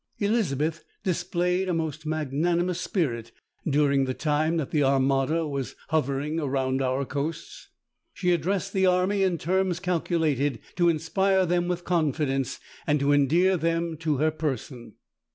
Elizabeth displayed a most magnanimous spirit during the time that the Armada was hovering around our coasts. She addressed the army in terms calculated to inspire them with confidence, and to endear them to her person.